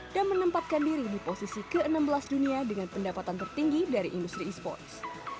dan menempatkan diri di posisi ke enam belas dunia dengan pendapatan tertinggi dari industri e sports